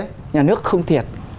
người nhà nước không thiệt